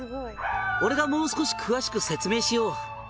「俺がもう少し詳しく説明しよう」